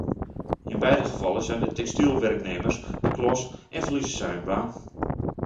In beide gevallen zijn de textielwerknemers de klos en verliezen zij hun baan.